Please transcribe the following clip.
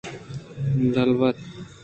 دلوت